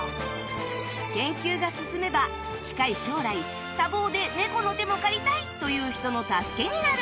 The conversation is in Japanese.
研究が進めば近い将来多忙で猫の手も借りたい！という人の助けになるかも